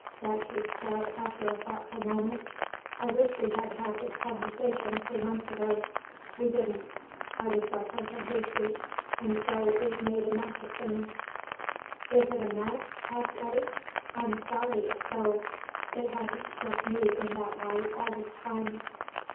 Datcherd said, after a thoughtful moment, "I wish we had had this conversation three months ago. We didn't; I was reckless and hasty, and so we've made this mess of things." "Is it a mess?" asked Eddy. "I'm sorry if so. It hasn't struck me in that light all this time."